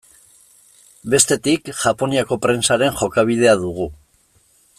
Bestetik, Japoniako prentsaren jokabidea dugu.